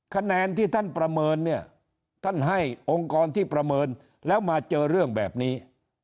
คะแนนที่ท่านประเมินเนี่ยท่านให้องค์กรที่ประเมินแล้วมาเจอเรื่องแบบนี้